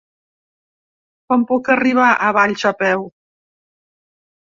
Com puc arribar a Valls a peu?